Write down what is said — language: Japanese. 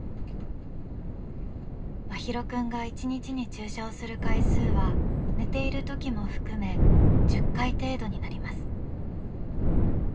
真浩くんが１日に注射をする回数は寝ているときも含め１０回程度になります。